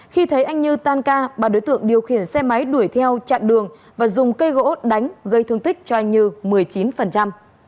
khi thấy anh như tan ca ba đối tượng điều khiển xe máy đuổi theo chặn đường và dùng cây gỗ đánh gây thương tích cho anh như một mươi chín